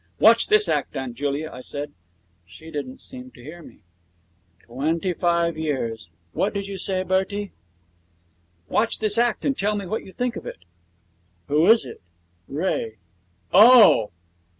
'Watch this act, Aunt Julia,' I said. She didn't seem to hear me. 'Twenty five years! What did you say, Bertie?' 'Watch this act and tell me what you think of it.' 'Who is it? Ray. Oh!'